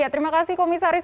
terima kasih komisaris